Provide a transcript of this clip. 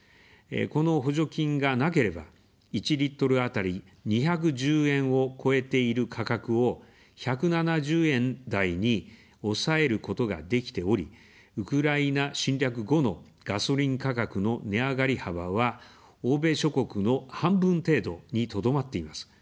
この補助金がなければ、１リットルあたり２１０円を超えている価格を、１７０円台に抑えることができており、ウクライナ侵略後のガソリン価格の値上がり幅は欧米諸国の半分程度にとどまっています。